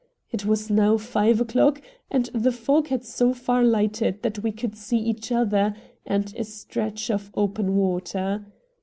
It was now five o'clock, and the fog had so far lightened that we could see each other and a stretch of open water.